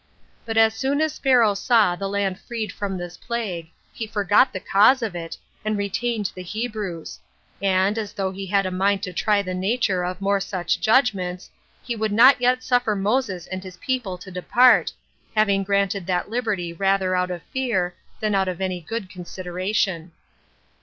But as soon as Pharaoh saw the land freed from this plague, he forgot the cause of it, and retained the Hebrews; and, as though he had a mind to try the nature of more such judgments, he would not yet suffer Moses and his people to depart, having granted that liberty rather out of fear than out of any good consideration.